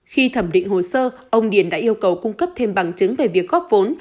khi thẩm định hồ sơ ông điền đã yêu cầu cung cấp thêm bằng chứng về việc góp vốn